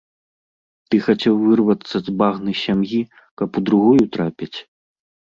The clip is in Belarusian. Ты хацеў вырвацца з багны сям'і, каб у другую трапіць?